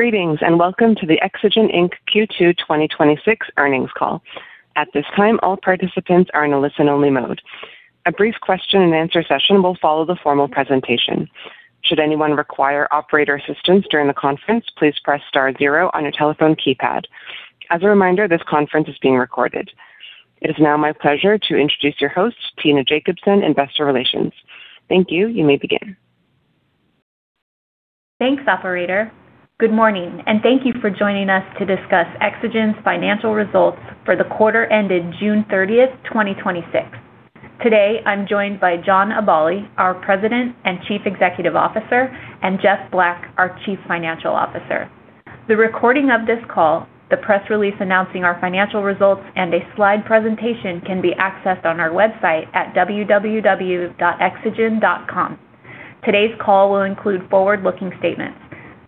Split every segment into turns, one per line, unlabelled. Greetings, welcome to the Exagen Inc. Q2 2026 earnings call. It is now my pleasure to introduce your host, Tina Jacobsen, Investor Relations. Thank you. You may begin.
Thanks, operator. Good morning, thank you for joining us to discuss Exagen's financial results for the quarter ended June 30th, 2026. Today, I'm joined by John Aballi, our President and Chief Executive Officer, and Jeff Black, our Chief Financial Officer. The recording of this call, the press release announcing our financial results, and a slide presentation can be accessed on our website at www.exagen.com. Today's call will include forward-looking statements.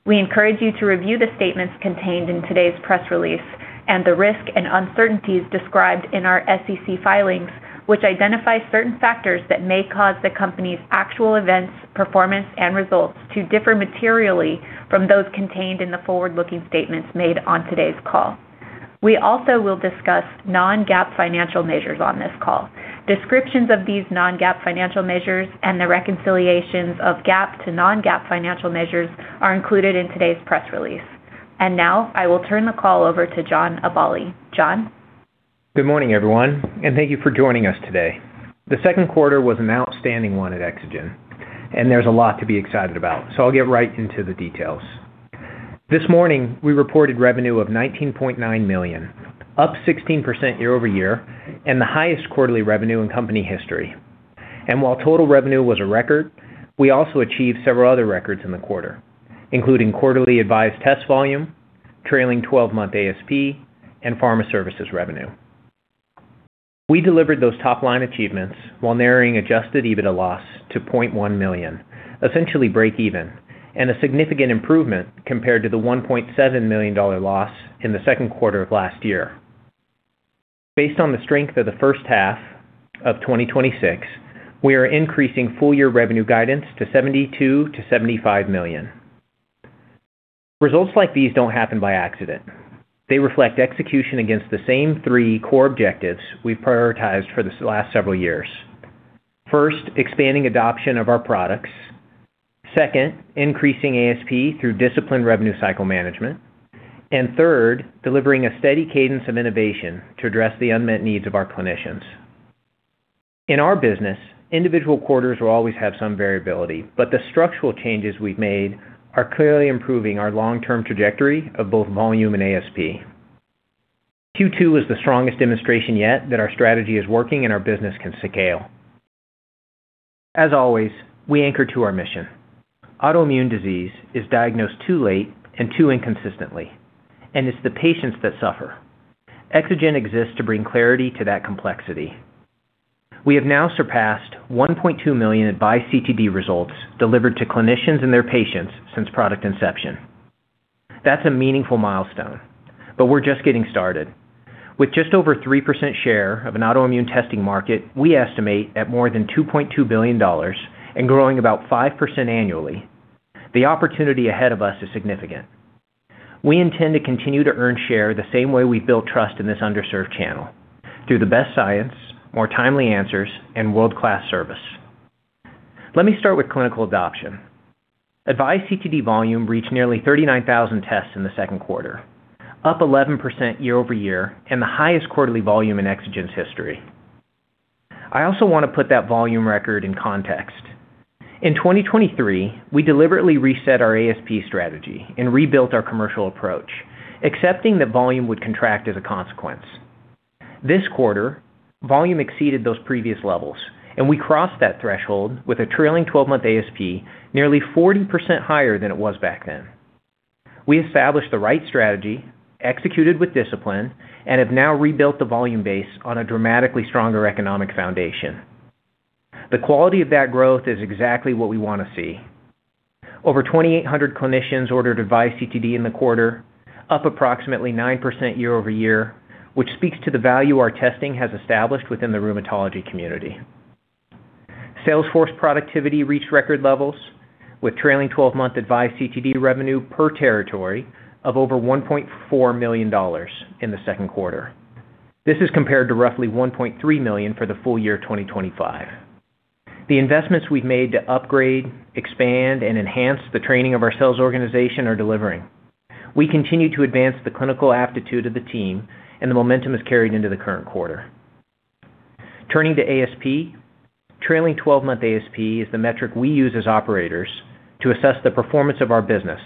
We encourage you to review the statements contained in today's press release and the risk and uncertainties described in our SEC filings, which identify certain factors that may cause the company's actual events, performance, and results to differ materially from those contained in the forward-looking statements made on today's call. We also will discuss non-GAAP financial measures on this call. Descriptions of these non-GAAP financial measures and the reconciliations of GAAP to non-GAAP financial measures are included in today's press release. Now I will turn the call over to John Aballi. John?
Good morning, everyone, thank you for joining us today. The second quarter was an outstanding one at Exagen, there's a lot to be excited about, I'll get right into the details. This morning, we reported revenue of $19.9 million, up 16% year-over-year and the highest quarterly revenue in company history. While total revenue was a record, we also achieved several other records in the quarter, including quarterly AVISE test volume, trailing 12-month ASP, and Pharma Services revenue. We delivered those top-line achievements while narrowing adjusted EBITDA loss to $0.1 million, essentially break even, and a significant improvement compared to the $1.7 million loss in the second quarter of last year. Based on the strength of the first half of 2026, we are increasing full-year revenue guidance to $72 million-$75 million. Results like these don't happen by accident. They reflect execution against the same three core objectives we've prioritized for the last several years. First, expanding adoption of our products. Second, increasing ASP through disciplined revenue cycle management. And third, delivering a steady cadence of innovation to address the unmet needs of our clinicians. In our business, individual quarters will always have some variability, but the structural changes we've made are clearly improving our long-term trajectory of both volume and ASP. Q2 was the strongest demonstration yet that our strategy is working and our business can scale. As always, we anchor to our mission. Autoimmune disease is diagnosed too late and too inconsistently, and it's the patients that suffer. Exagen exists to bring clarity to that complexity. We have now surpassed 1.2 million AVISE CTD results delivered to clinicians and their patients since product inception. That's a meaningful milestone, but we're just getting started. With just over 3% share of an autoimmune testing market, we estimate at more than $2.2 billion and growing about 5% annually. The opportunity ahead of us is significant. We intend to continue to earn share the same way we've built trust in this underserved channel, through the best science, more timely answers, and world-class service. Let me start with clinical adoption. AVISE CTD volume reached nearly 39,000 tests in the second quarter, up 11% year-over-year and the highest quarterly volume in Exagen's history. I also want to put that volume record in context. In 2023, we deliberately reset our ASP strategy and rebuilt our commercial approach, accepting that volume would contract as a consequence. This quarter, volume exceeded those previous levels, and we crossed that threshold with a trailing 12-month ASP nearly 40% higher than it was back then. We established the right strategy, executed with discipline, and have now rebuilt the volume base on a dramatically stronger economic foundation. The quality of that growth is exactly what we want to see. Over 2,800 clinicians ordered AVISE CTD in the quarter, up approximately 9% year-over-year, which speaks to the value our testing has established within the rheumatology community. Salesforce productivity reached record levels with trailing 12-month AVISE CTD revenue per territory of over $1.4 million in the second quarter. This is compared to roughly $1.3 million for the full year 2025. The investments we've made to upgrade, expand, and enhance the training of our sales organization are delivering. We continue to advance the clinical aptitude of the team, and the momentum is carried into the current quarter. Turning to ASP. Trailing 12-month ASP is the metric we use as operators to assess the performance of our business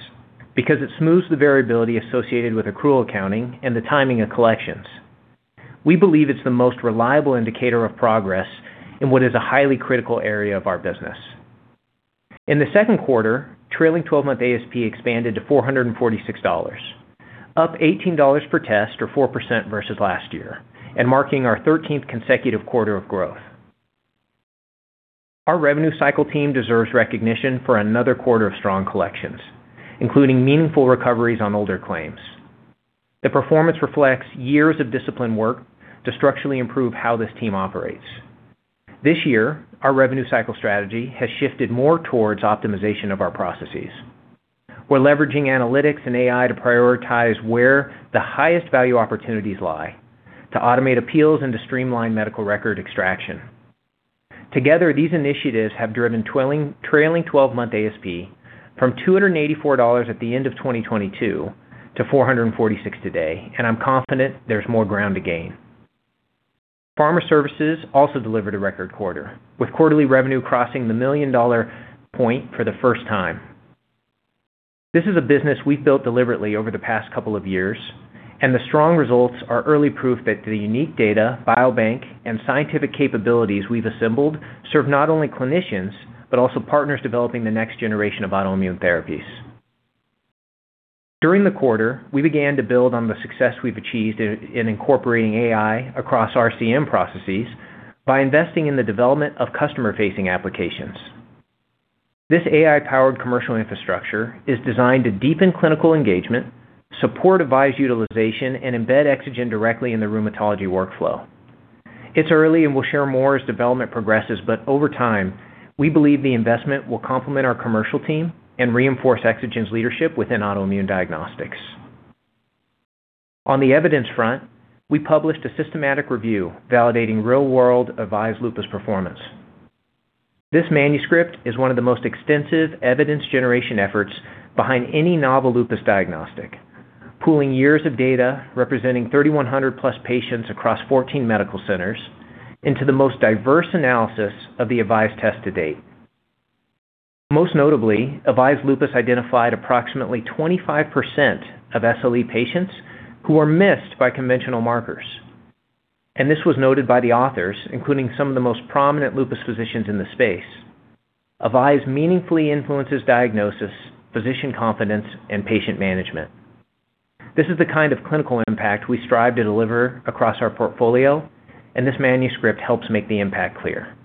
because it smooths the variability associated with accrual accounting and the timing of collections. We believe it's the most reliable indicator of progress in what is a highly critical area of our business. In the second quarter, trailing 12-month ASP expanded to $446, up $18 per test or 4% versus last year and marking our 13th consecutive quarter of growth. Our revenue cycle team deserves recognition for another quarter of strong collections, including meaningful recoveries on older claims. The performance reflects years of disciplined work to structurally improve how this team operates. This year, our revenue cycle strategy has shifted more towards optimization of our processes. We're leveraging analytics and AI to prioritize where the highest value opportunities lie, to automate appeals and to streamline medical record extraction. Together, these initiatives have driven trailing 12-month ASP from $284 at the end of 2022 to $446 today, and I'm confident there's more ground to gain. Pharma Services also delivered a record quarter, with quarterly revenue crossing the million-dollar point for the first time. This is a business we've built deliberately over the past couple of years, and the strong results are early proof that the unique data, biobank, and scientific capabilities we've assembled serve not only clinicians, but also partners developing the next generation of autoimmune therapies. During the quarter, we began to build on the success we've achieved in incorporating AI across RCM processes by investing in the development of customer-facing applications. This AI-powered commercial infrastructure is designed to deepen clinical engagement, support AVISE utilization, and embed Exagen directly in the rheumatology workflow. It's early, and we'll share more as development progresses, but over time, we believe the investment will complement our commercial team and reinforce Exagen's leadership within autoimmune diagnostics. On the evidence front, we published a systematic review validating real-world AVISE Lupus performance. This manuscript is one of the most extensive evidence-generation efforts behind any novel lupus diagnostic, pooling years of data representing 3,100+ patients across 14 medical centers into the most diverse analysis of the AVISE test to date. Most notably, AVISE Lupus identified approximately 25% of SLE patients who were missed by conventional markers, and this was noted by the authors, including some of the most prominent lupus physicians in the space. AVISE meaningfully influences diagnosis, physician confidence, and patient management. This is the kind of clinical impact we strive to deliver across our portfolio, and this manuscript helps make the impact clear.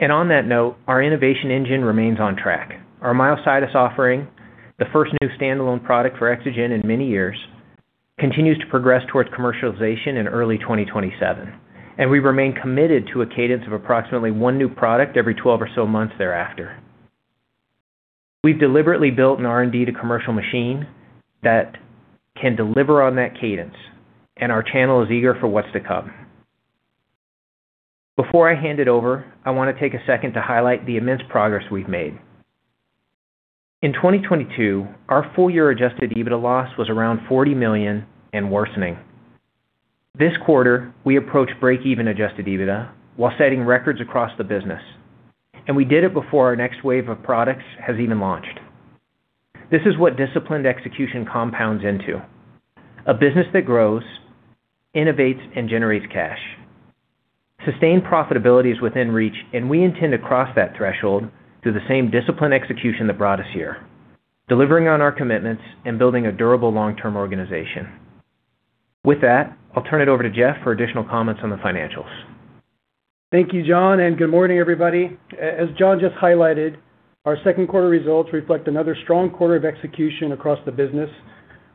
On that note, our innovation engine remains on track. Our myositis offering, the first new standalone product for Exagen in many years, continues to progress towards commercialization in early 2027, and we remain committed to a cadence of approximately one new product every 12 or so months thereafter. We've deliberately built an R&D to commercial machine that can deliver on that cadence, and our channel is eager for what's to come. Before I hand it over, I want to take a second to highlight the immense progress we've made. In 2022, our full-year adjusted EBITDA loss was around $40 million and worsening. This quarter, we approached break-even adjusted EBITDA while setting records across the business, and we did it before our next wave of products has even launched. This is what disciplined execution compounds into: a business that grows, innovates, and generates cash. Sustained profitability is within reach, and we intend to cross that threshold through the same disciplined execution that brought us here, delivering on our commitments and building a durable long-term organization. With that, I'll turn it over to Jeff for additional comments on the financials.
Thank you, John, and good morning, everybody. As John just highlighted, our second quarter results reflect another strong quarter of execution across the business.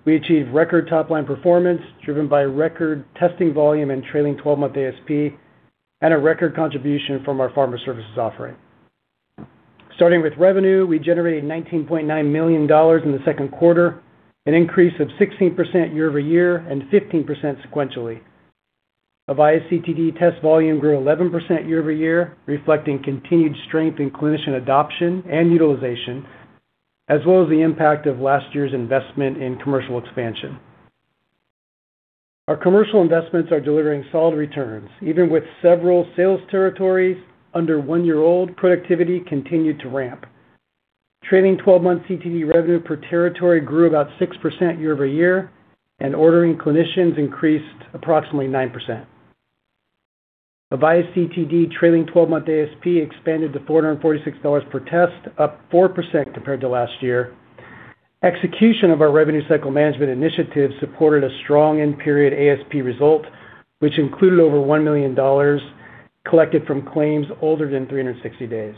We achieved record top-line performance driven by record testing volume and trailing 12-month ASP, and a record contribution from our Pharma Services offering. Starting with revenue, we generated $19.9 million in the second quarter, an increase of 16% year-over-year and 15% sequentially. AVISE CTD test volume grew 11% year-over-year, reflecting continued strength in clinician adoption and utilization, as well as the impact of last year's investment in commercial expansion. Our commercial investments are delivering solid returns. Even with several sales territories under one year old, productivity continued to ramp. Trailing 12-month CTD revenue per territory grew about 6% year-over-year, and ordering clinicians increased approximately 9%. AVISE CTD trailing 12-month ASP expanded to $446 per test, up 4% compared to last year. Execution of our revenue cycle management initiative supported a strong end-period ASP result, which included over $1 million collected from claims older than 360 days.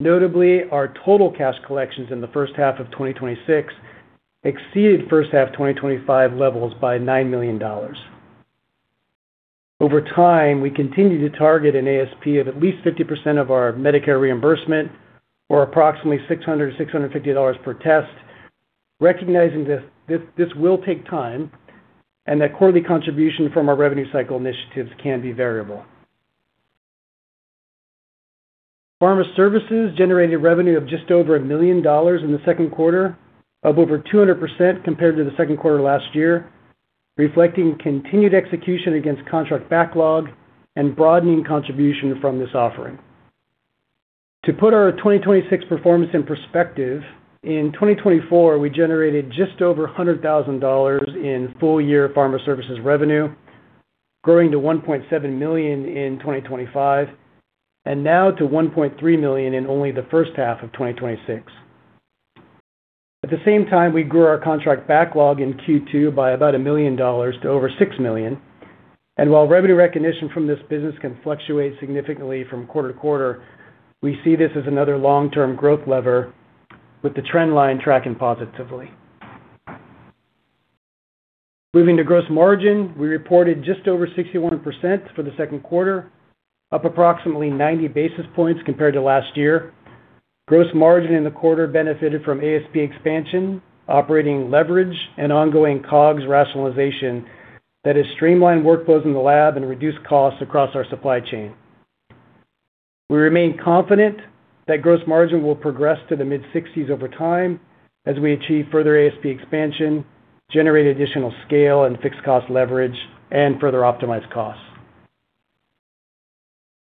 Notably, our total cash collections in the first half of 2026 exceeded first half 2025 levels by $9 million. Over time, we continue to target an ASP of at least 50% of our Medicare reimbursement, or approximately $600-$650 per test, recognizing this will take time and that quarterly contribution from our revenue cycle initiatives can be variable. Pharma Services generated revenue of just over $1 million in the second quarter, up over 200% compared to the second quarter last year, reflecting continued execution against contract backlog and broadening contribution from this offering. To put our 2026 performance in perspective, in 2024, we generated just over $100,000 in full-year Pharma Services revenue, growing to $1.7 million in 2025, and now to $1.3 million in only the first half of 2026. At the same time, we grew our contract backlog in Q2 by about $1 million to over $6 million. While revenue recognition from this business can fluctuate significantly from quarter-to-quarter, we see this as another long-term growth lever with the trend line tracking positively. Moving to gross margin, we reported just over 61% for the second quarter, up approximately 90 basis points compared to last year. Gross margin in the quarter benefited from ASP expansion, operating leverage, and ongoing COGS rationalization that has streamlined workflows in the lab and reduced costs across our supply chain. We remain confident that gross margin will progress to the mid-60s over time as we achieve further ASP expansion, generate additional scale and fixed cost leverage, and further optimize costs.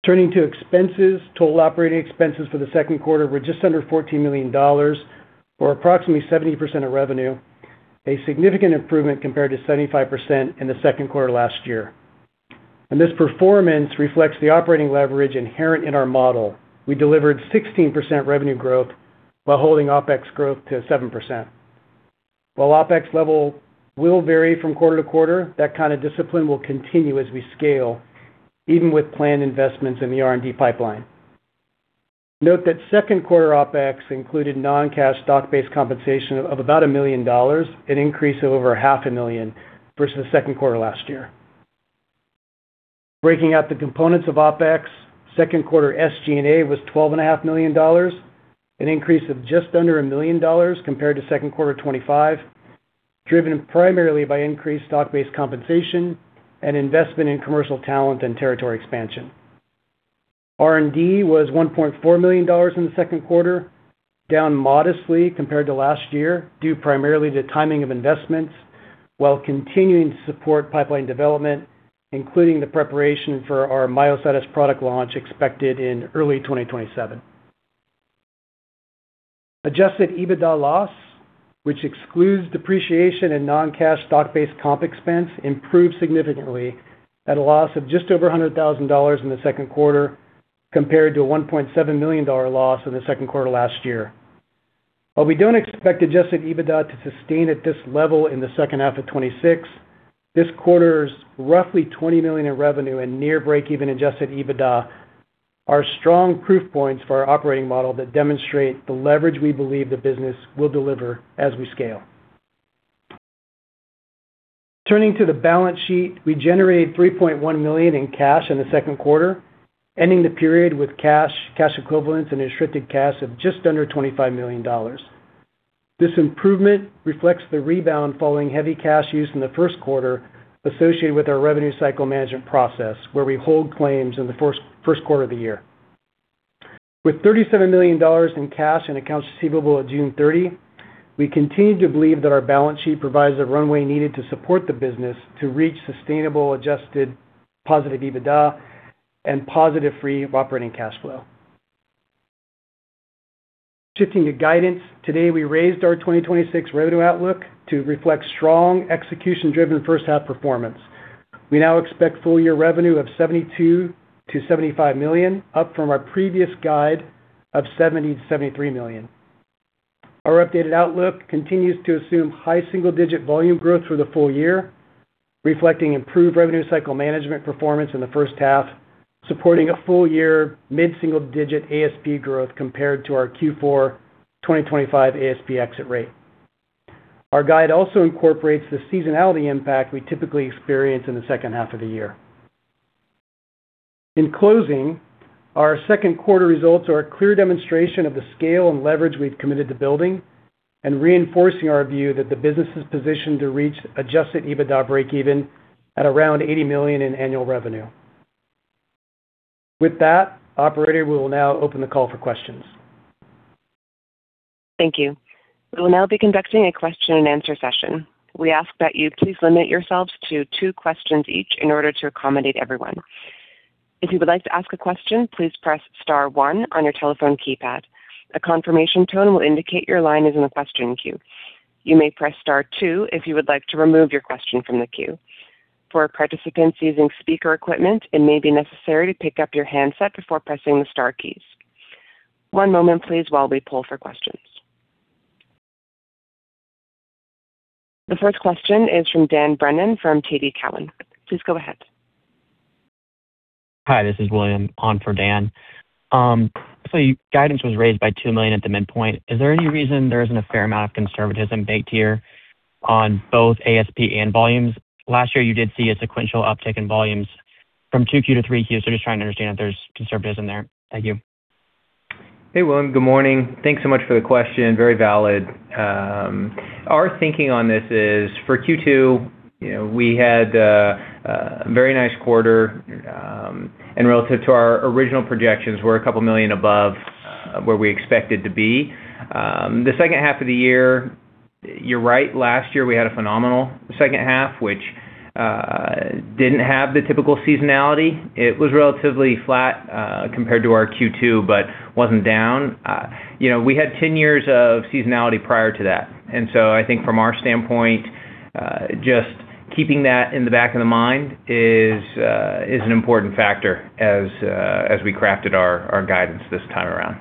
Turning to expenses, total operating expenses for the second quarter were just under $14 million, or approximately 70% of revenue, a significant improvement compared to 75% in the second quarter last year. This performance reflects the operating leverage inherent in our model. We delivered 16% revenue growth while holding OpEx growth to 7%. While OpEx level will vary from quarter-to-quarter, that kind of discipline will continue as we scale, even with planned investments in the R&D pipeline. Note that second quarter OpEx included non-cash stock-based compensation of about $1 million, an increase of over $500,000 versus second quarter last year. Breaking out the components of OpEx, second quarter SG&A was $12.5 million, an increase of just under $1 million compared to second quarter 2025, driven primarily by increased stock-based compensation and investment in commercial talent and territory expansion. R&D was $1.4 million in the second quarter, down modestly compared to last year due primarily to timing of investments while continuing to support pipeline development, including the preparation for our myositis product launch expected in early 2027. Adjusted EBITDA loss, which excludes depreciation and non-cash stock-based comp expense, improved significantly at a loss of just over $100,000 in the second quarter compared to a $1.7 million loss in the second quarter last year. While we don't expect adjusted EBITDA to sustain at this level in the second half of 2026, this quarter's roughly $20 million in revenue and near breakeven adjusted EBITDA are strong proof points for our operating model that demonstrate the leverage we believe the business will deliver as we scale. Turning to the balance sheet, we generated $3.1 million in cash in the second quarter, ending the period with cash equivalents, and restricted cash of just under $25 million. This improvement reflects the rebound following heavy cash use in the first quarter associated with our revenue cycle management process, where we hold claims in the first quarter of the year. With $37 million in cash and accounts receivable at June 30, we continue to believe that our balance sheet provides the runway needed to support the business to reach sustainable adjusted positive EBITDA and positive free operating cash flow. Shifting to guidance, today we raised our 2026 revenue outlook to reflect strong execution-driven first half performance. We now expect full year revenue of $72 million-$75 million, up from our previous guide of $70 million-$73 million. Our updated outlook continues to assume high single-digit volume growth through the full year, reflecting improved revenue cycle management performance in the first half, supporting a full year mid-single digit ASP growth compared to our Q4 2025 ASP exit rate. Our guide also incorporates the seasonality impact we typically experience in the second half of the year. In closing, our second quarter results are a clear demonstration of the scale and leverage we've committed to building and reinforcing our view that the business is positioned to reach adjusted EBITDA breakeven at around $80 million in annual revenue. With that, operator, we will now open the call for questions.
Thank you. We will now be conducting a question and answer session. The first question is from Dan Brennan from TD Cowen. Please go ahead.
Hi, this is William on for Dan. Your guidance was raised by $2 million at the midpoint. Is there any reason there isn't a fair amount of conservatism baked here on both ASP and volumes? Last year, you did see a sequential uptick in volumes from 2Q to 3Q. Just trying to understand if there's conservatism there. Thank you.
Hey, William. Good morning. Thanks so much for the question. Very valid. Our thinking on this is for Q2, we had a very nice quarter, and relative to our original projections, we're a couple million above where we expected to be. The second half of the year, you're right, last year we had a phenomenal second half, which didn't have the typical seasonality. It was relatively flat compared to our Q2, but wasn't down. We had 10 years of seasonality prior to that. I think from our standpoint, just keeping that in the back of the mind is an important factor as we crafted our guidance this time around.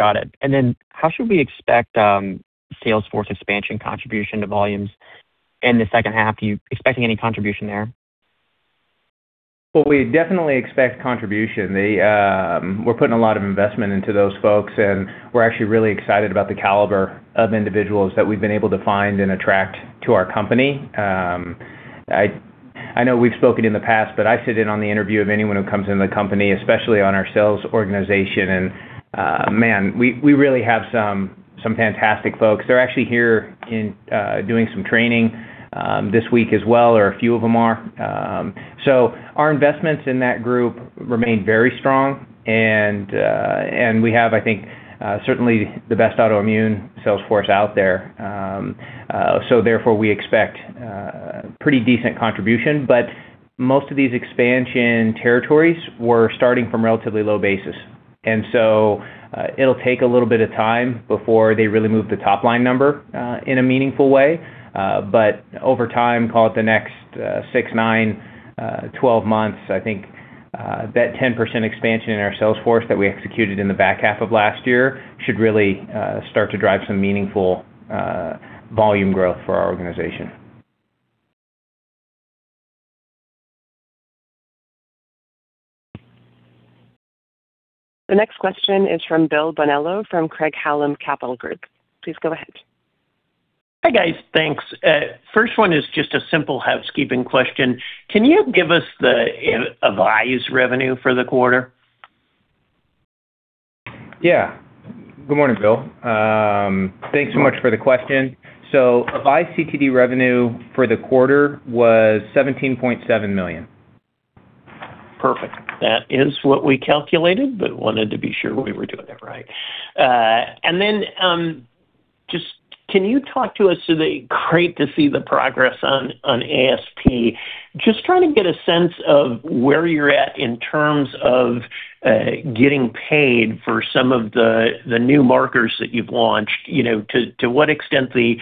Got it. How should we expect Salesforce expansion contribution to volumes in the second half? Are you expecting any contribution there?
Well, we definitely expect contribution. We're putting a lot of investment into those folks, and we're actually really excited about the caliber of individuals that we've been able to find and attract to our company. I know we've spoken in the past, but I sit in on the interview of anyone who comes into the company, especially on our sales organization. Man, we really have some fantastic folks. They're actually here doing some training this week as well, or a few of them are. Our investments in that group remain very strong and we have, I think, certainly the best autoimmune sales force out there. We expect pretty decent contribution. Most of these expansion territories were starting from relatively low bases. It'll take a little bit of time before they really move the top-line number in a meaningful way. Over time, call it the next six, nine, 12 months, I think that 10% expansion in our sales force that we executed in the back half of last year should really start to drive some meaningful volume growth for our organization.
The next question is from Bill Bonello of Craig-Hallum Capital Group. Please go ahead.
Hi, guys. Thanks. First one is just a simple housekeeping question. Can you give us the AVISE's revenue for the quarter?
Yeah. Good morning, Bill. Thanks so much for the question. AVISE CTD revenue for the quarter was $17.7 million.
Perfect. That is what we calculated, but wanted to be sure we were doing it right. Can you talk to us, it's great to see the progress on ASP. Just trying to get a sense of where you're at in terms of getting paid for some of the new markers that you've launched. To what extent the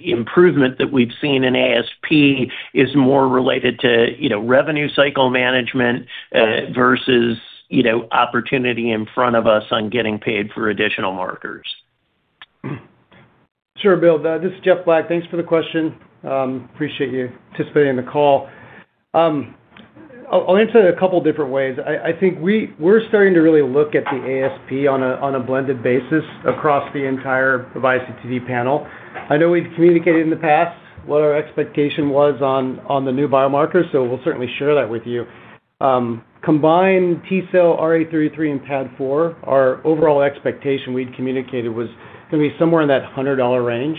improvement that we've seen in ASP is more related to revenue cycle management versus opportunity in front of us on getting paid for additional markers?
Sure, Bill. This is Jeff Black. Thanks for the question. Appreciate you participating in the call. I'll answer it a couple different ways. I think we're starting to really look at the ASP on a blended basis across the entire AVISE CTD panel. I know we've communicated in the past what our expectation was on the new biomarkers, we'll certainly share that with you. Combined T cell RA33 and anti-PAD4, our overall expectation we'd communicated was going to be somewhere in that $100 range.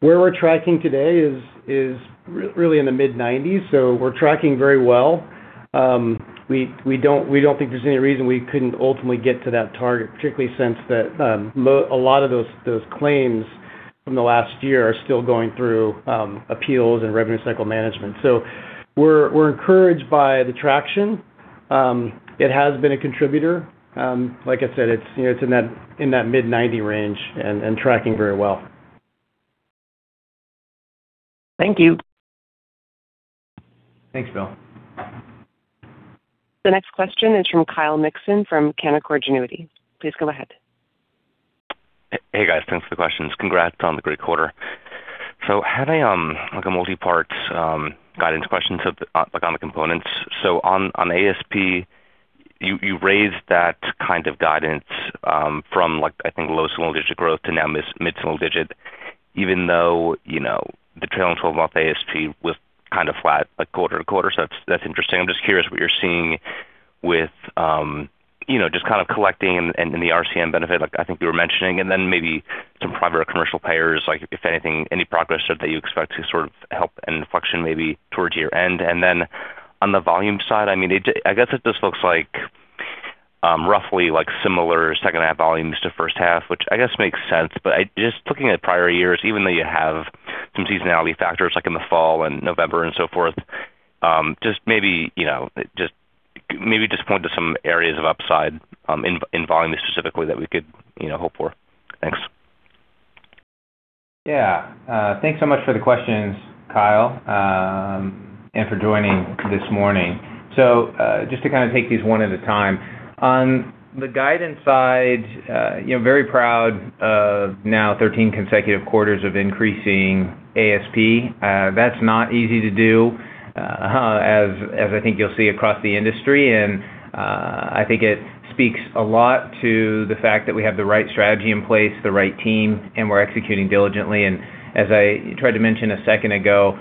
Where we're tracking today is really in the mid-90s, we're tracking very well. We don't think there's any reason we couldn't ultimately get to that target, particularly since a lot of those claims from the last year are still going through appeals and revenue cycle management. We're encouraged by the traction. It has been a contributor. Like I said, it's in that mid-90 range and tracking very well.
Thank you.
Thanks, Bill.
The next question is from Kyle Mikson from Canaccord Genuity. Please go ahead.
Hey, guys. Thanks for the questions. Congrats on the great quarter. Had a multi-part guidance question on the components. On ASP, you raised that kind of guidance from, I think, low single-digit growth to now mid-single-digit, even though the trailing 12-month ASP was kind of flat quarter-to-quarter. That's interesting. I'm just curious what you're seeing with just kind of collecting and the RCM benefit, I think you were mentioning, and then maybe some private or commercial payers, if any progress that you expect to sort of help inflection maybe towards year-end. And then on the volume side, I guess it just looks roughly similar second half volumes to first half, which I guess makes sense. Just looking at prior years, even though you have some seasonality factors like in the fall and November and so forth, just maybe point to some areas of upside in volume specifically that we could hope for. Thanks.
Yeah. Thanks so much for the questions, Kyle Mikson, and for joining this morning. Just to take these one at a time. On the guidance side, very proud of now 13 consecutive quarters of increasing ASP. That's not easy to do, as I think you'll see across the industry, and I think it speaks a lot to the fact that we have the right strategy in place, the right team, and we're executing diligently. As I tried to mention a second ago,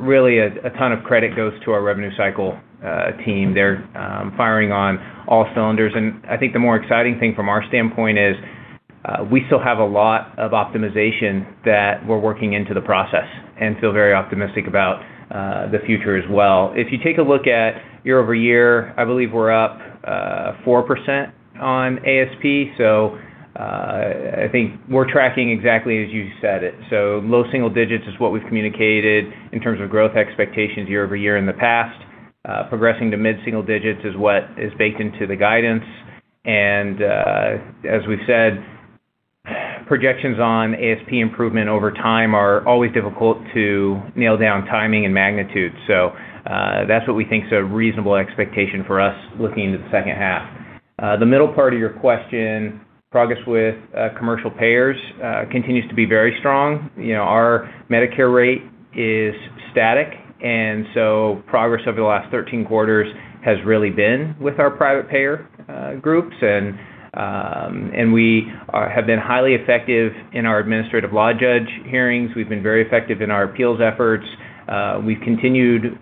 really a ton of credit goes to our revenue cycle team. They're firing on all cylinders. I think the more exciting thing from our standpoint is we still have a lot of optimization that we're working into the process and feel very optimistic about the future as well. If you take a look at year-over-year, I believe we're up 4% on ASP. I think we're tracking exactly as you said it. Low single digits is what we've communicated in terms of growth expectations year-over-year in the past. Progressing to mid-single digits is what is baked into the guidance. As we've said, projections on ASP improvement over time are always difficult to nail down timing and magnitude. That's what we think is a reasonable expectation for us looking into the second half. The middle part of your question, progress with commercial payers continues to be very strong. Our Medicare rate is static, and progress over the last 13 quarters has really been with our private payer groups. We have been highly effective in our administrative law judge hearings. We've been very effective in our appeals efforts. We've continued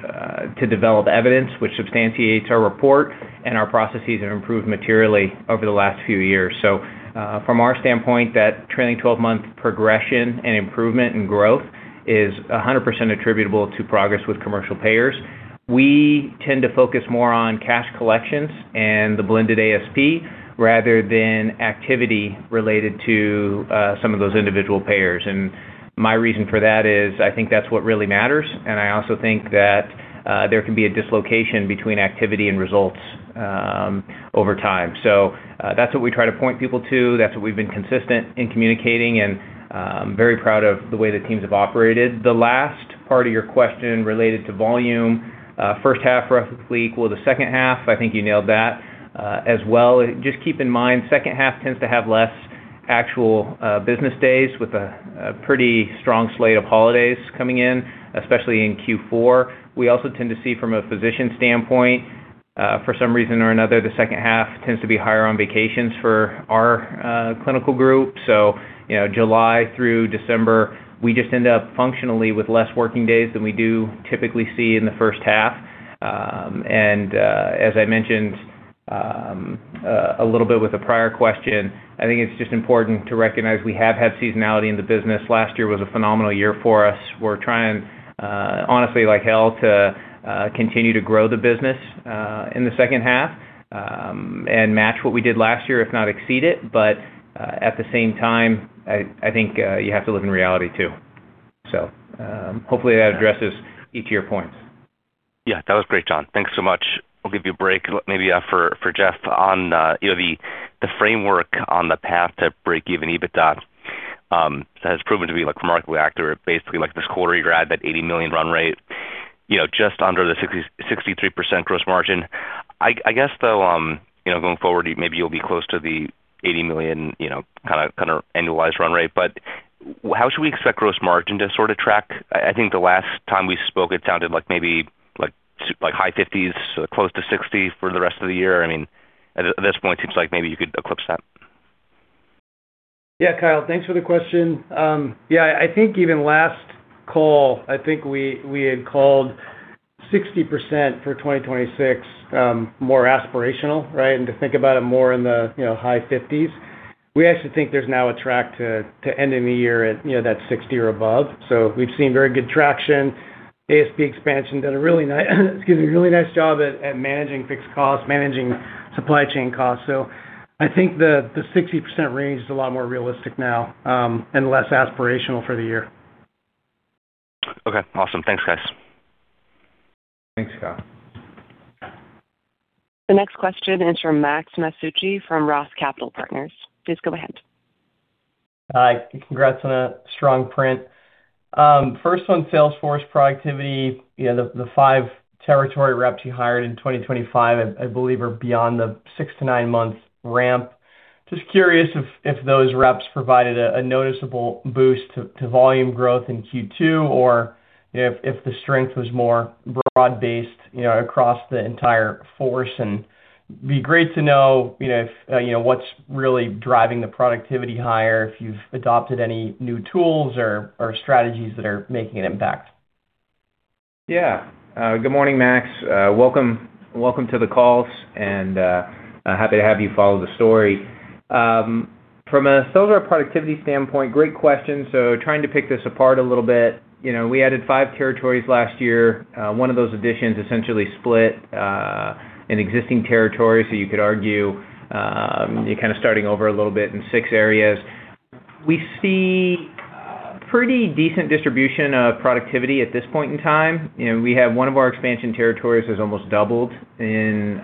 to develop evidence which substantiates our report, and our processes have improved materially over the last few years. From our standpoint, that trailing 12-month progression and improvement and growth is 100% attributable to progress with commercial payers. We tend to focus more on cash collections and the blended ASP rather than activity related to some of those individual payers. My reason for that is, I think that's what really matters, and I also think that there can be a dislocation between activity and results over time. That's what we try to point people to. That's what we've been consistent in communicating, and I'm very proud of the way the teams have operated. The last part of your question related to volume, first half roughly equal to second half, I think you nailed that as well. Just keep in mind, second half tends to have less actual business days with a pretty strong slate of holidays coming in, especially in Q4. We also tend to see from a physician standpoint, for some reason or another, the second half tends to be higher on vacations for our clinical group. July through December, we just end up functionally with less working days than we do typically see in the first half. As I mentioned a little bit with a prior question, I think it's just important to recognize we have had seasonality in the business. Last year was a phenomenal year for us. We're trying honestly like hell to continue to grow the business in the second half and match what we did last year, if not exceed it. At the same time, I think you have to live in reality too. Hopefully that addresses each of your points.
Yeah, that was great, John. Thanks so much. I'll give you a break, maybe for Jeff on the framework on the path to break-even EBITDA has proven to be remarkably accurate. Basically, like this quarter, you're at that $80 million run rate, just under the 63% gross margin. I guess though, going forward, maybe you'll be close to the $80 million kind of annualized run rate. How should we expect gross margin to sort of track? I think the last time we spoke, it sounded like maybe high 50s%, close to 60% for the rest of the year. I mean, at this point, it seems like maybe you could eclipse that.
Yeah. Kyle, thanks for the question. Yeah, I think even last call, I think we had called 60% for 2026, more aspirational, right? To think about it more in the high 50s%. We actually think there's now a track to end in the year at that 60% or above. We've seen very good traction. ASP expansion done a really nice job at managing fixed costs, managing supply chain costs. I think the 60% range is a lot more realistic now, and less aspirational for the year.
Okay, awesome. Thanks, guys.
Thanks, Kyle.
The next question is from Max Masucci from Roth Capital Partners. Please go ahead.
Hi. Congrats on a strong print. First, on Salesforce productivity, the five territory reps you hired in 2025, I believe, are beyond the six to nine-month ramp. Just curious if those reps provided a noticeable boost to volume growth in Q2, or if the strength was more broad-based across the entire force. Be great to know what's really driving the productivity higher, if you've adopted any new tools or strategies that are making an impact.
Yeah. Good morning, Max. Welcome to the call and happy to have you follow the story. From a sales rep productivity standpoint, great question. Trying to pick this apart a little bit. We added five territories last year. One of those additions essentially split an existing territory, you could argue you're kind of starting over a little bit in six areas. We see pretty decent distribution of productivity at this point in time. We have one of our expansion territories has almost doubled in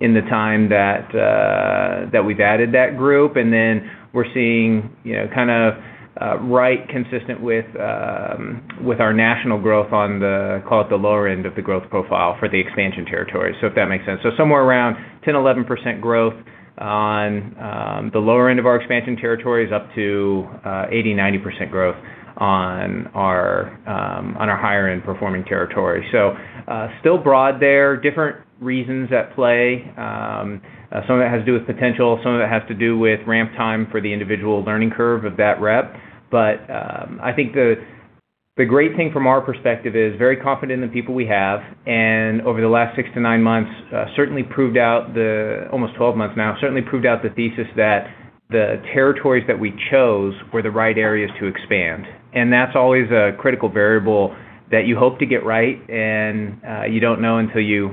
the time that we've added that group. Then we're seeing kind of right consistent with our national growth on the, call it the lower end of the growth profile for the expansion territory. If that makes sense. Somewhere around 10%, 11% growth on the lower end of our expansion territories, up to 80%, 90% growth on our higher end performing territory. Still broad there. Different reasons at play. Some of it has to do with potential, some of it has to do with ramp time for the individual learning curve of that rep. I think the great thing from our perspective is very confident in the people we have, and over the last six to nine months, certainly proved out almost 12 months now, certainly proved out the thesis that the territories that we chose were the right areas to expand. That's always a critical variable that you hope to get right, and you don't know until you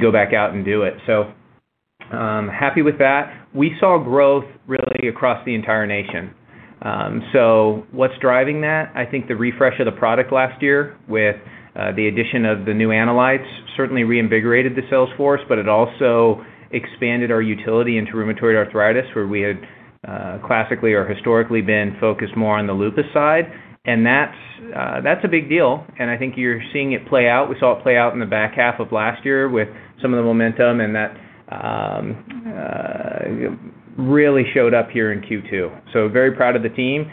go back out and do it. Happy with that. We saw growth really across the entire nation. What's driving that? I think the refresh of the product last year with the addition of the new analytes certainly reinvigorated the sales force, but it also expanded our utility into rheumatoid arthritis, where we had classically or historically been focused more on the lupus side. That's a big deal, and I think you're seeing it play out. We saw it play out in the back half of last year with some of the momentum, and that really showed up here in Q2. Very proud of the team.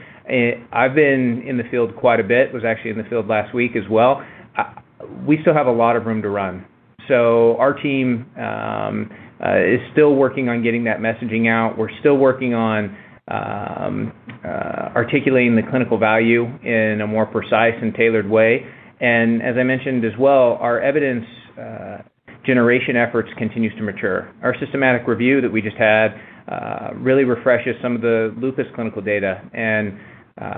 I've been in the field quite a bit, was actually in the field last week as well. We still have a lot of room to run. Our team is still working on getting that messaging out. We're still working on articulating the clinical value in a more precise and tailored way. As I mentioned as well, our evidence generation efforts continues to mature. Our systematic review that we just had really refreshes some of the lupus clinical data.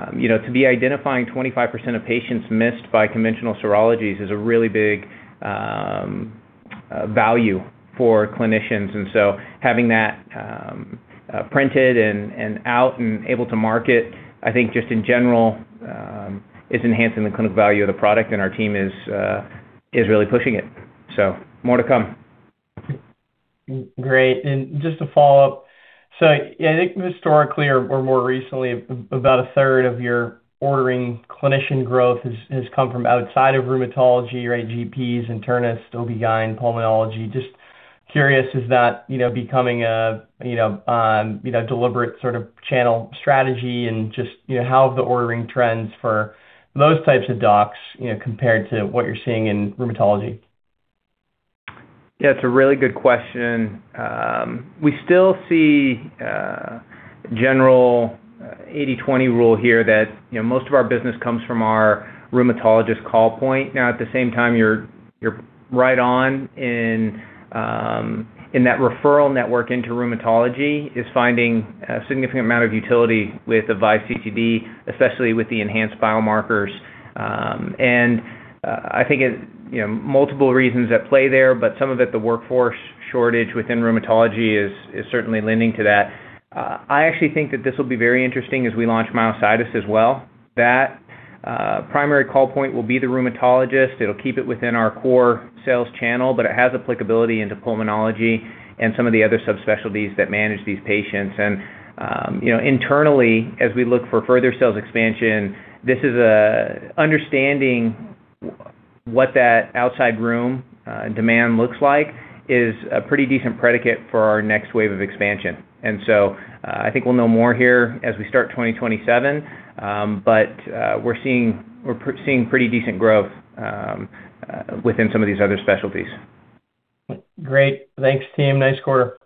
To be identifying 25% of patients missed by conventional serologies is a really big value for clinicians. Having that printed and out and able to market, I think just in general, is enhancing the clinical value of the product and our team is really pushing it. More to come.
Great. Just to follow up. I think historically or more recently, about a third of your ordering clinician growth has come from outside of rheumatology, right? GPs, internists, OBGYN, pulmonology. Just curious, is that becoming a deliberate sort of channel strategy? Just how have the ordering trends for those types of docs compared to what you're seeing in rheumatology?
Yeah, it's a really good question. We still see general 80/20 rule here that most of our business comes from our rheumatologist call point. Now, at the same time, you're right on in that referral network into rheumatology is finding a significant amount of utility with AVISE CTD, especially with the enhanced biomarkers. I think multiple reasons at play there, but some of it, the workforce shortage within rheumatology is certainly lending to that. I actually think that this will be very interesting as we launch myositis as well. That primary call point will be the rheumatologist. It'll keep it within our core sales channel, but it has applicability into pulmonology and some of the other subspecialties that manage these patients. Internally, as we look for further sales expansion, understanding what that outside room demand looks like is a pretty decent predicate for our next wave of expansion. I think we'll know more here as we start 2027, but we're seeing pretty decent growth within some of these other specialties.
Great. Thanks, team. Nice quarter.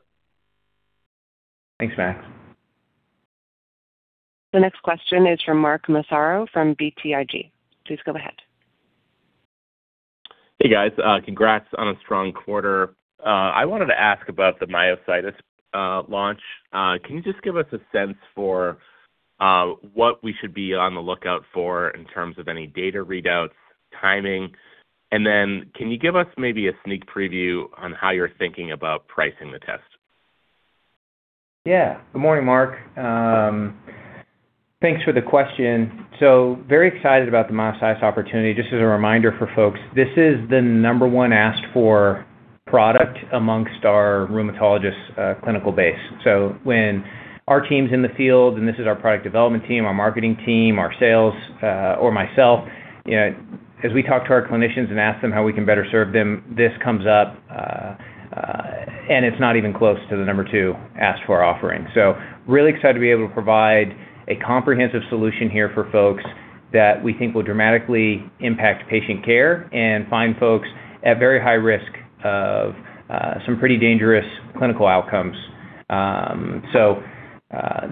Thanks, Max.
The next question is from Mark Massaro from BTIG. Please go ahead.
Hey, guys. Congrats on a strong quarter. I wanted to ask about the myositis launch. Can you just give us a sense for what we should be on the lookout for in terms of any data readouts, timing, and then can you give us maybe a sneak preview on how you're thinking about pricing the test?
Yeah. Good morning, Mark. Thanks for the question. Very excited about the myositis opportunity. Just as a reminder for folks, this is the number one asked for product amongst our rheumatologist clinical base. When our team's in the field, and this is our product development team, our marketing team, our sales, or myself, as we talk to our clinicians and ask them how we can better serve them, this comes up, and it's not even close to the number two asked for offering. Really excited to be able to provide a comprehensive solution here for folks that we think will dramatically impact patient care and find folks at very high risk of some pretty dangerous clinical outcomes.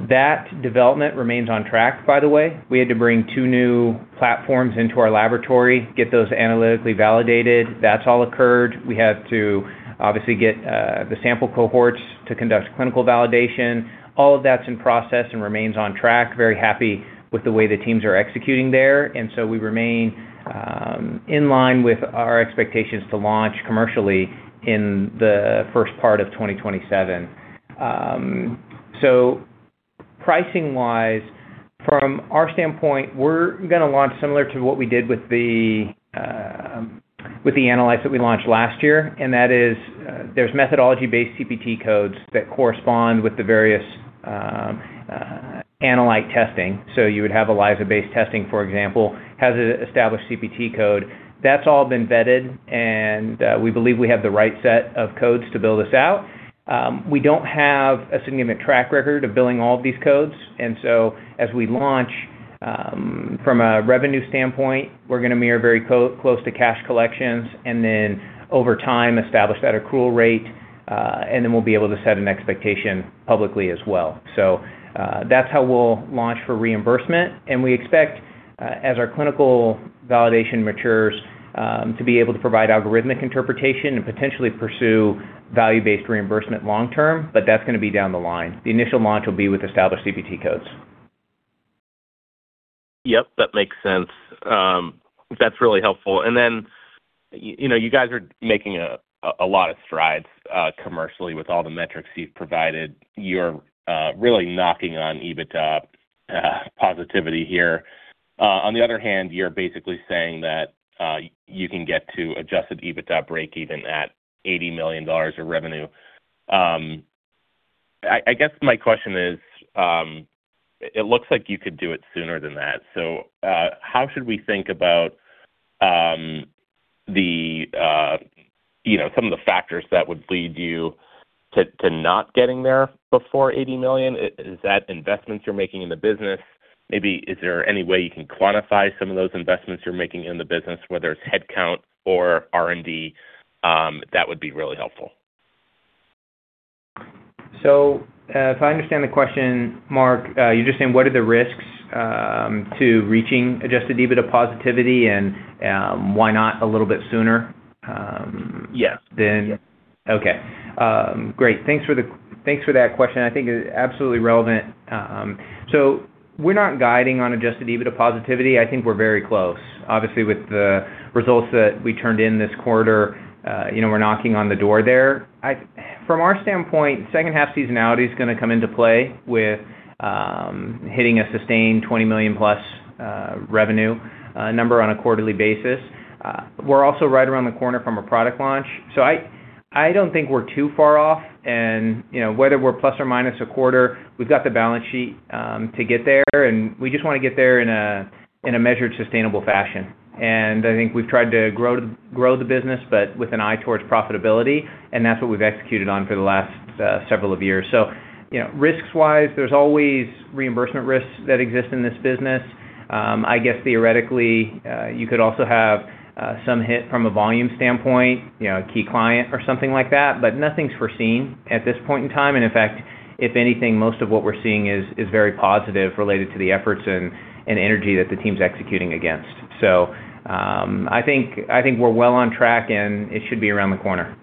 That development remains on track, by the way. We had to bring two new platforms into our laboratory, get those analytically validated. That's all occurred. We had to obviously get the sample cohorts to conduct clinical validation. All of that's in process and remains on track. Very happy with the way the teams are executing there. We remain in line with our expectations to launch commercially in the first part of 2027. Pricing wise, from our standpoint, we're going to launch similar to what we did with the analytes that we launched last year, and that is there's methodology-based CPT codes that correspond with the various analyte testing. You would have ELISA-based testing, for example, has an established CPT code. That's all been vetted, and we believe we have the right set of codes to build this out. We don't have a significant track record of billing all of these codes, as we launch from a revenue standpoint, we're going to mirror very close to cash collections over time establish that accrual rate, we'll be able to set an expectation publicly as well. That's how we'll launch for reimbursement, we expect, as our clinical validation matures, to be able to provide algorithmic interpretation and potentially pursue value-based reimbursement long term, but that's going to be down the line. The initial launch will be with established CPT codes.
Yep, that makes sense. That's really helpful. You guys are making a lot of strides commercially with all the metrics you've provided. You're really knocking on EBITDA positivity here. On the other hand, you're basically saying that you can get to adjusted EBITDA breakeven at $80 million of revenue. I guess my question is, it looks like you could do it sooner than that. How should we think about some of the factors that would lead you to not getting there before 80 million? Is that investments you're making in the business? Maybe is there any way you can quantify some of those investments you're making in the business, whether it's headcount or R&D? That would be really helpful.
If I understand the question, Mark, you're just saying what are the risks to reaching adjusted EBITDA positivity and why not a little bit sooner than?
Yes.
Okay. Great. Thanks for that question. I think it is absolutely relevant. We're not guiding on adjusted EBITDA positivity. I think we're very close. Obviously, with the results that we turned in this quarter, we're knocking on the door there. From our standpoint, second half seasonality is going to come into play with hitting a sustained $20 million+ revenue number on a quarterly basis. We're also right around the corner from a product launch, I don't think we're too far off. Whether we're ±0.25, we've got the balance sheet to get there, and we just want to get there in a measured, sustainable fashion. I think we've tried to grow the business, but with an eye towards profitability, and that's what we've executed on for the last several of years. Risks-wise, there's always reimbursement risks that exist in this business. I guess theoretically, you could also have some hit from a volume standpoint, a key client or something like that, nothing's foreseen at this point in time. In fact, if anything, most of what we're seeing is very positive related to the efforts and energy that the team's executing against. I think we're well on track, and it should be around the corner.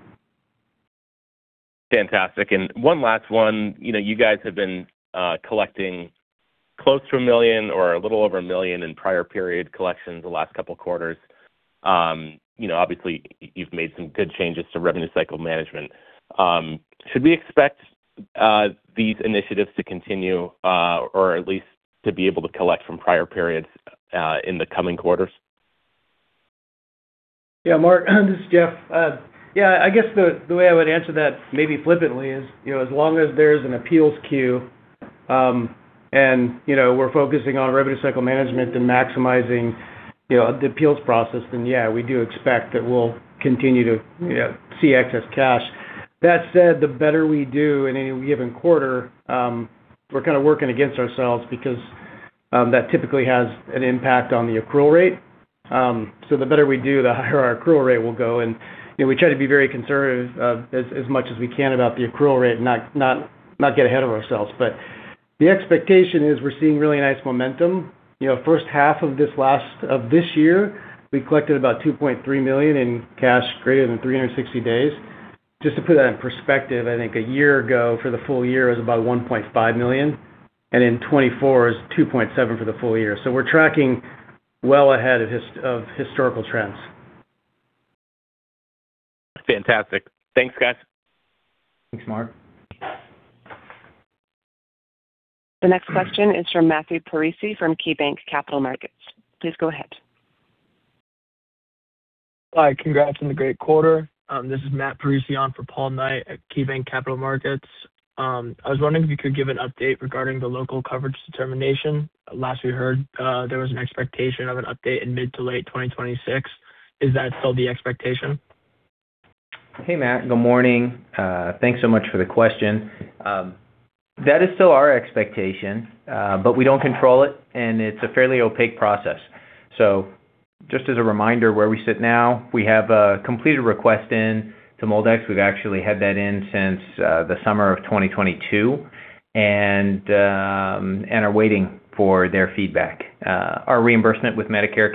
Fantastic. One last one. You guys have been collecting close to $1 million or a little over $1 million in prior period collections the last couple of quarters. Obviously, you've made some good changes to revenue cycle management. Should we expect these initiatives to continue or at least to be able to collect from prior periods in the coming quarters?
Yeah, Mark, this is Jeff. I guess the way I would answer that, maybe flippantly is, as long as there's an appeals queue, and we're focusing on revenue cycle management and maximizing the appeals process, then yeah, we do expect that we'll continue to see excess cash. That said, the better we do in any given quarter, we're kind of working against ourselves because that typically has an impact on the accrual rate. The better we do, the higher our accrual rate will go, and we try to be very conservative as much as we can about the accrual rate and not get ahead of ourselves. The expectation is we're seeing really nice momentum. First half of this year, we collected about $2.3 million in cash greater than 360 days. Just to put that in perspective, I think a year ago for the full year was about $1.5 million, and in 2024 is $2.7 million for the full year. We're tracking well ahead of historical trends.
Fantastic. Thanks, guys.
Thanks, Mark.
The next question is from Matthew Parisi from KeyBanc Capital Markets. Please go ahead.
Hi, congrats on the great quarter. This is Matt Parisi on for Paul Knight at KeyBanc Capital Markets. I was wondering if you could give an update regarding the Local Coverage Determination. Last we heard, there was an expectation of an update in mid to late 2026. Is that still the expectation?
Hey, Matt. Good morning. Thanks so much for the question. That is still our expectation, but we don't control it, and it's a fairly opaque process. Just as a reminder where we sit now, we have a completed request in to MolDX. We've actually had that in since the summer of 2022 and are waiting for their feedback. Our reimbursement with Medicare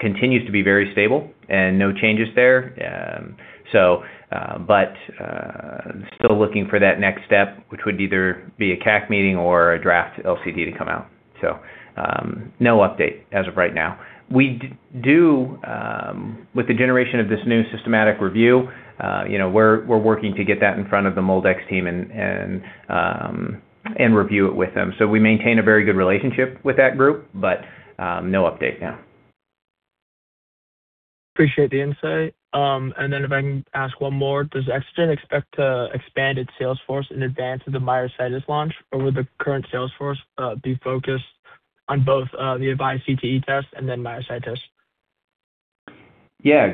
continues to be very stable and no changes there. Still looking for that next step, which would either be a CAC meeting or a draft LCD to come out. No update as of right now. We do, with the generation of this new systematic review, we're working to get that in front of the MolDX team and review it with them. We maintain a very good relationship with that group, but no update now.
Appreciate the insight. If I can ask one more. Does Exagen expect to expand its sales force in advance of the myositis launch, or will the current sales force be focused on both the AVISE CTD test and myositis?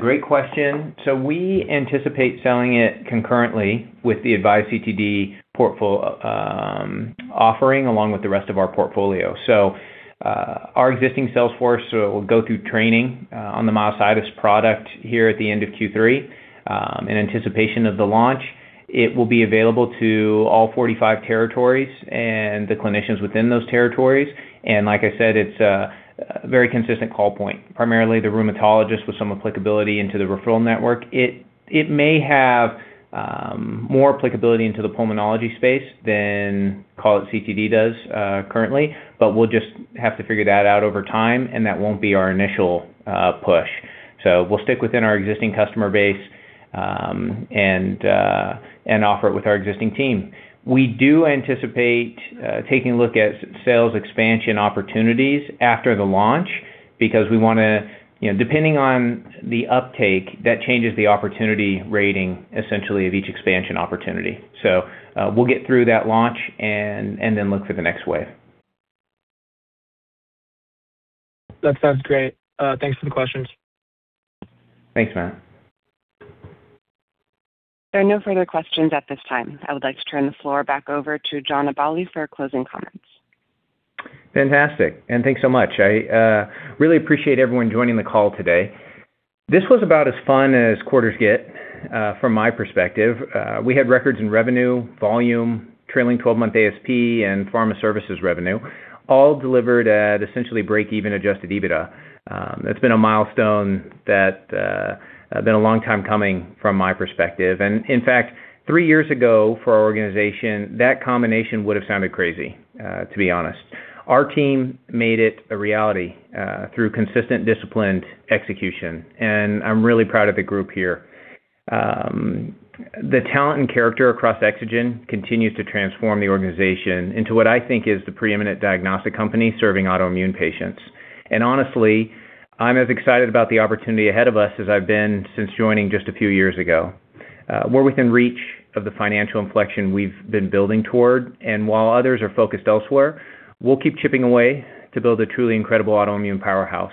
Great question. We anticipate selling it concurrently with the AVISE CTD offering, along with the rest of our portfolio. Our existing sales force will go through training on the myositis product here at the end of Q3 in anticipation of the launch. It will be available to all 45 territories and the clinicians within those territories. Like I said, it's a very consistent call point. Primarily the rheumatologist with some applicability into the referral network. It may have more applicability into the pulmonology space than CTD does currently, we'll just have to figure that out over time, that won't be our initial push. We'll stick within our existing customer base and offer it with our existing team. We do anticipate taking a look at sales expansion opportunities after the launch because depending on the uptake, that changes the opportunity rating, essentially, of each expansion opportunity. We'll get through that launch and then look for the next wave.
That sounds great. Thanks for the questions.
Thanks, Matt.
There are no further questions at this time. I would like to turn the floor back over to John Aballi for closing comments.
Thanks so much. I really appreciate everyone joining the call today. This was about as fun as quarters get from my perspective. We had records in revenue, volume, trailing 12-month ASP, and Pharma Services revenue, all delivered at essentially break-even adjusted EBITDA. That's been a milestone that been a long time coming from my perspective. In fact, three years ago for our organization, that combination would've sounded crazy, to be honest. Our team made it a reality through consistent, disciplined execution, and I'm really proud of the group here. The talent and character across Exagen continues to transform the organization into what I think is the preeminent diagnostic company serving autoimmune patients. Honestly, I'm as excited about the opportunity ahead of us as I've been since joining just a few years ago. We're within reach of the financial inflection we've been building toward, while others are focused elsewhere, we'll keep chipping away to build a truly incredible autoimmune powerhouse.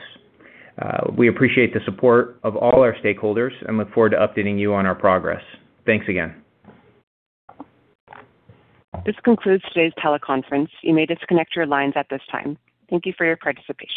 We appreciate the support of all our stakeholders and look forward to updating you on our progress. Thanks again.
This concludes today's teleconference. You may disconnect your lines at this time. Thank you for your participation.